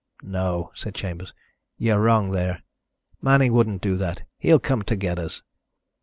"No," said Chambers, "you're wrong there. Manning wouldn't do that. He'll come to get us."